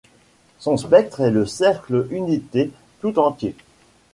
Son spectre est le cercle unité tout entier.